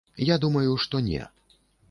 Я думаю, што не.